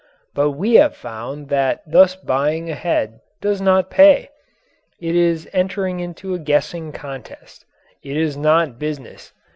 But we have found that thus buying ahead does not pay. It is entering into a guessing contest. It is not business.